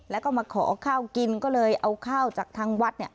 แล้วก็มาขอข้าวกินก็เลยเอาข้าวจากทางวัด